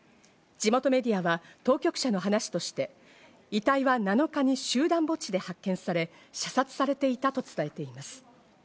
地元メディアは当局者の話として遺体は７日に集団墓地で発見され、射殺されていたと伝えています。